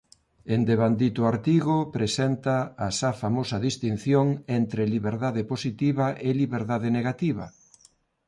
En devandito artigo presenta a xa famosa distinción entre liberdade positiva e liberdade negativa.